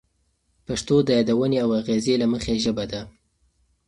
پښتو د یادونې او اغیزې له مخې ژبه ده.